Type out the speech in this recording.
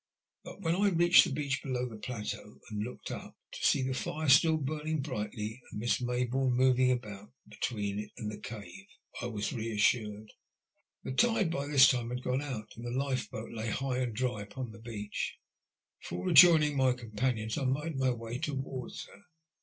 But when I reached the beach below the plateau and looked up, to see the fire still burning brightly and Miss Mayboume moving about between it and the cave, I was reassured. The tide by this time had gone out, and the lifeboat lay high and dry upon the beach. Before rejoining my companions I made my way towards her.